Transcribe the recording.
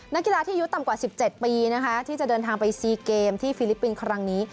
นักกีฬาที่อายุต่ำกว่า๑๗ปีนะคะที่จะเดินทางไป๔เกมที่ฟิลิปปินส์ครั้งนี้